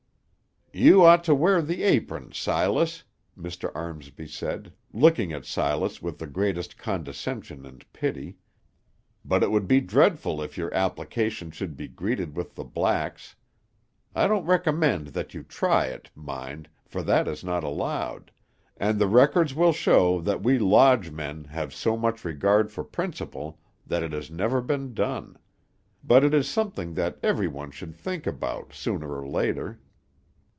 "You ought to wear the apron, Silas," Mr. Armsby said, looking at Silas with the greatest condescension and pity; "but it would be dreadful if your application should be greeted with the blacks. I don't recommend that you try it, mind, for that is not allowed, and the records will show that we lodge men have so much regard for principle that it has never been done; but it is something that everyone should think about, sooner or later.